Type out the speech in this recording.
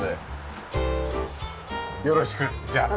よろしくじゃあ中を。